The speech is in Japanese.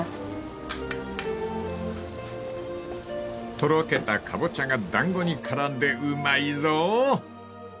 ［とろけたカボチャが団子に絡んでうまいぞ］